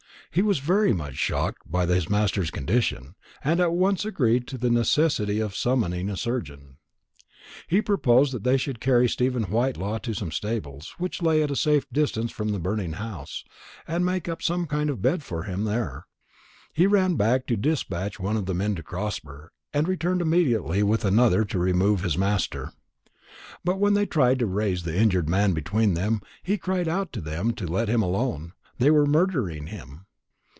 He was very much shocked by his master's condition, and at once agreed to the necessity of summoning a surgeon. He proposed that they should carry Stephen Whitelaw to some stables, which lay at a safe distance from the burning house, and make up some kind of bed for him there. He ran back to dispatch one of the men to Crosber, and returned immediately with another to remove his master. But when they tried to raise the injured man between them, he cried out to them to let him alone, they were murdering him.